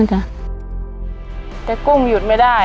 แต่กุ้งหยุดไม่ได้